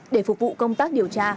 để phục vụ công tác điều tra